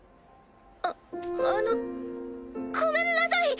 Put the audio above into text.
ああのごめんなさい！